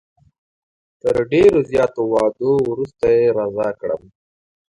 تر ډېرو زیاتو وعدو وروسته یې رضا کړم.